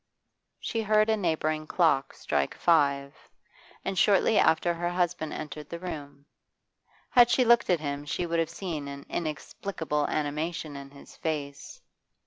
She heard a neighbouring clock strike five, and shortly after her husband entered the room. Had she looked at him she would have seen an inexplicable animation in his face.